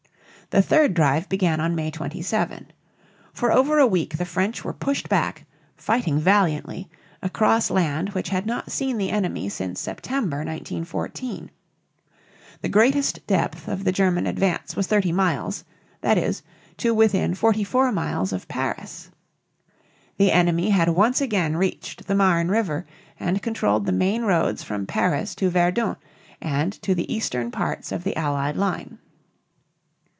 The third drive began on May 27. For over a week the French were pushed back, fighting valiantly, across land which had not seen the enemy since September, 1914. The greatest depth of the German advance was thirty miles, that is, to within forty four miles of Paris. The enemy had once again reached the Marne River and controlled the main roads from Paris to Verdun and to the eastern parts of the Allied line.